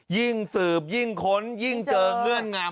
ยิ่งสืบยิ่งค้นยิ่งเจอเงื่อนงำ